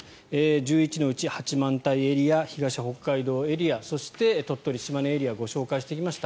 １１のうち八幡平エリア、東北海道エリアそして鳥取・島根エリアをご紹介してきました。